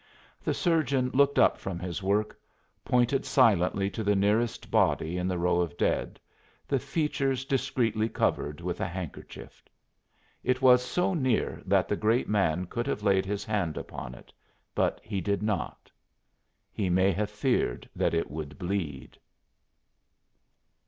The surgeon looked up from his work, pointing silently to the nearest body in the row of dead, the features discreetly covered with a handkerchief. It was so near that the great man could have laid his hand upon it, but he did not. He may have feared that it would bleed.